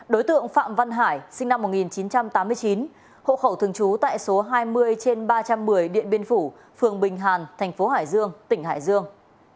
đối tượng phạm văn hải sinh năm một nghìn chín trăm tám mươi chín hộ khẩu thường trú tại số hai mươi trên ba trăm một mươi điện biên phủ phường bình hàn thành phố hải dương tỉnh hải dương